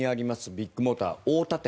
ビッグモーター太田店。